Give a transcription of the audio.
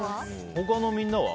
他のみんなは？